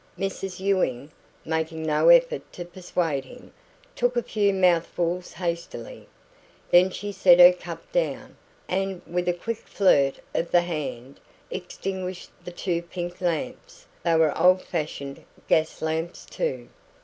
Mrs Ewing, making no effort to persuade him, took a few mouthfuls hastily; then she set her cup down, and with a quick flirt of the hand, extinguished the two pink lamps. They were old fashioned gas lamps too.